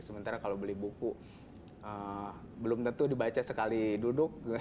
sementara kalau beli buku belum tentu dibaca sekali duduk